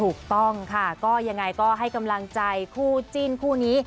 ถูกต้องค่ะก็ยังไงก็ให้กำลังใจคู่จิ้นคู่นี้